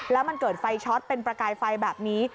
แล้วมันเกิดไฟช็อตเป็นประกายไฟแบบนี้